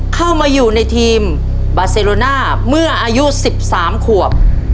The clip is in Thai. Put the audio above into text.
เข้ามาอยู่ในทีมบาเซโรน่าเมื่ออายุ๑๓ขวบ